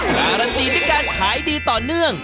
การันตีด้วยการขายดีต่อเนื่อง